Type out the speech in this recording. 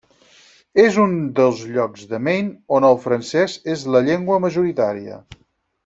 És un dels llocs de Maine on el francès és la llengua majoritària.